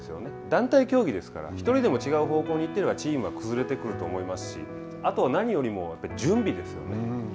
団体競技ですから、１人でも違う方向に行っているとチームは崩れてくると思いますし、あと何よりも準備ですよね。